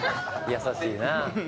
「優しいな」